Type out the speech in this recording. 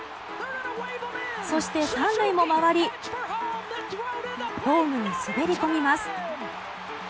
そして、３塁も回りホームに滑り込みます。